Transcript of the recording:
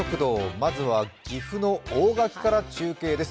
まずは岐阜の大垣から中継です。